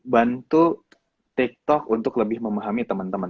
bantu tiktok untuk lebih memahami temen temen